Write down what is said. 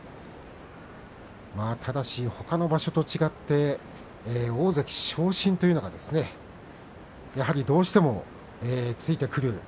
ただしほかの場所と違って大関昇進というのがやはりどうしてもついてくる。